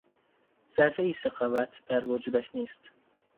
ذرهای سخاوت در وجودش نیست.